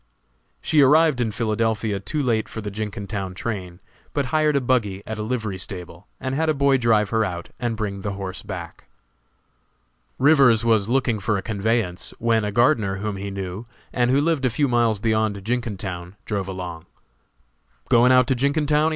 She arrived in Philadelphia too late for the Jenkintown train, but hired a buggy at a livery stable, and had a boy drive her out and bring the horse back. Rivers was looking around for a conveyance, when a gardener whom he knew, and who lived a few miles beyond Jenkintown, drove along. "Going out to Jenkintown?"